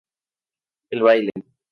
El baile.